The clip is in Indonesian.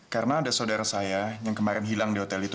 karena ada saudara saya yang kemarin hilang di hotel itu